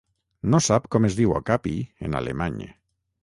No sap com es diu ocapi en alemany.